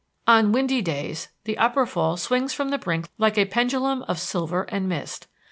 On windy days the Upper Fall swings from the brink like a pendulum of silver and mist.